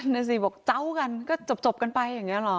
นั่นสิบอกเจ้ากันก็จบกันไปอย่างนี้หรอ